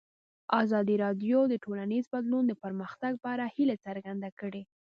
ازادي راډیو د ټولنیز بدلون د پرمختګ په اړه هیله څرګنده کړې.